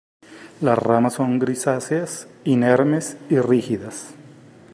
Las ramas son grisáceas, inermes, y rígidas.